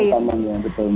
itu yang harusnya diwaspadai